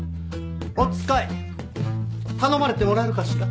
お使い頼まれてもらえるかしら。